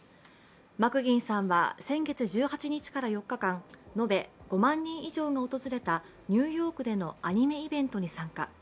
マクギンさんは先月１８日から４日間、延べ５万人以上が訪れたニューヨークでのアニメイベントに参加。